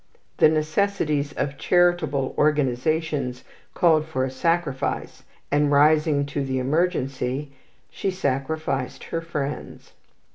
The necessities of charitable organizations called for a sacrifice, and, rising to the emergency, she sacrificed her friends.